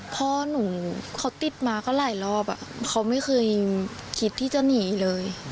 พ่อหนูเขาติดมาก็หลายรอบเขาไม่เคยคิดที่จะหนีเลย